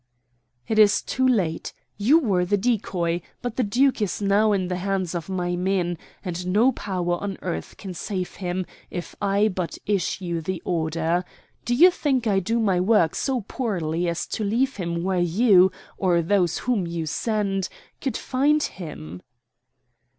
"It is too late. You were the decoy, but the duke is now in the hands of my men, and no power on earth can save him if I but issue the order. Do you think I do my work so poorly as to leave him where you, or those whom you send, could find him?"